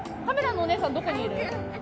カメラのお姉さん、どこにいる？